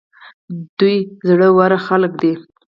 دوی زړه ور خلک دي.